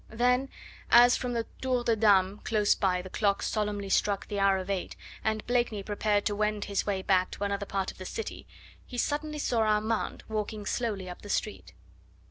Then, as from the Tour des Dames close by the clock solemnly struck the hour of eight, and Blakeney prepared to wend his way back to another part of the city, he suddenly saw Armand walking slowly up the street.